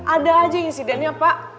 ada aja insidennya pak